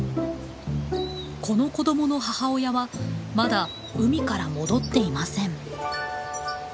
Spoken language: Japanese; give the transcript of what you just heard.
この子どもの母親はまだ海から戻っていません。